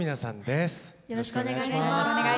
よろしくお願いします。